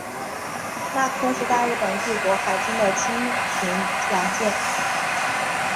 那珂是大日本帝国海军的轻巡洋舰。